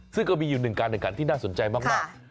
ซึ่งก็มีอยู่หนึ่งการแข่งขันที่น่าสนใจมาก